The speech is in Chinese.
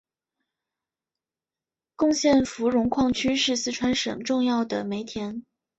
珙县芙蓉矿区是四川省重要的煤田。